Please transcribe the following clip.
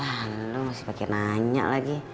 ah lo masih pake nanya lagi